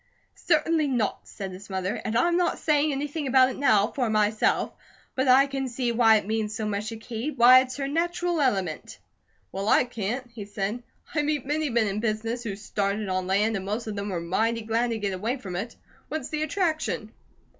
"Certainly not," said his mother, "and I'm not saying anything about it now, for myself; but I can see why it means so much to Kate, why it's her natural element." "Well, I can't," he said. "I meet many men in business who started on land, and most of them were mighty glad to get away from it. What's the attraction?"